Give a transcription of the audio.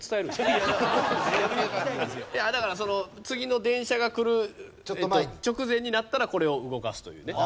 いやだからその次の電車が来る直前になったらこれを動かすというね。